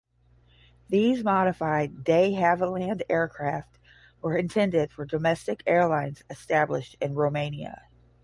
These modified De Havilland aircraft were intended for domestic airlines established in Romania.